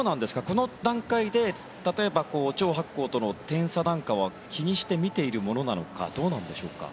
この段階で例えばチョウ・ハクコウとの点差なんかは気にして見ているものなのかどうなんでしょうか。